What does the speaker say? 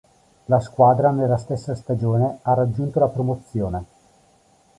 La squadra, nella stessa stagione, ha raggiunto la promozione.